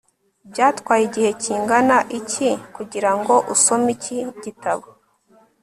byatwaye igihe kingana iki kugirango usome iki gitabo